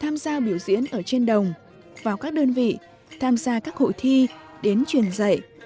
tham gia biểu diễn ở trên đồng vào các đơn vị tham gia các hội thi đến truyền dạy